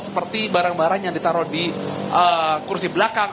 seperti barang barang yang ditaruh di kursi belakang